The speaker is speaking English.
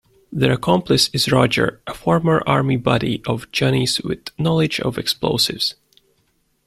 Their accomplice is Roger, a former Army buddy of Johnny's with knowledge of explosives.